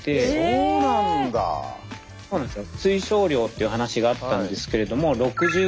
そうなんですよ。